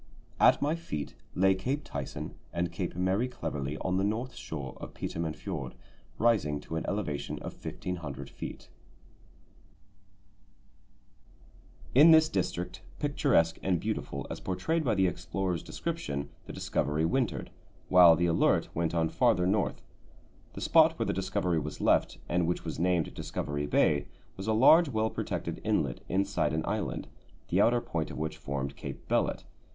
At my feet lay Cape Tyson and Cape Mary Cleverly on the north shore of Petermann Fjord, rising to an elevation of 1500 feet." In this district, picturesque and beautiful as portrayed by the explorer's description, the Discovery wintered, while the Alert went on farther North. The spot where the Discovery was left, and which was named Discovery Bay, was a large, well protected inlet inside an island, the outer point of which formed Cape Bellot.